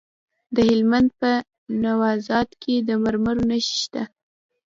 د هلمند په نوزاد کې د مرمرو نښې شته.